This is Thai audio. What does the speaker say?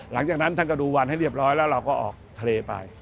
หลังจากนั้นท่านก็ดูวันให้เรียบร้อยแล้วเราก็ออกทะเลไป